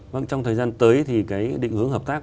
vâng trong thời gian tới thì cái định hướng hợp tác